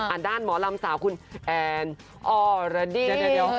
อันด้านหมอลำสาวคุณแอนด์ออราดี้